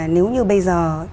nếu như bây giờ